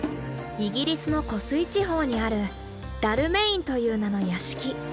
イギリスの湖水地方にある「ダルメイン」という名の屋敷。